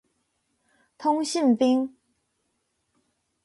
通信兵。